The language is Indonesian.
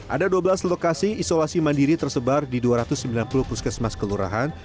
ada dua belas lokasi isolasi mandiri tersebar di dua ratus sembilan puluh puskesmas kelurahan